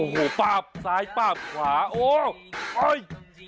โอ้โหป้าบซ้ายป้าบขวาโอ้เฮ้ย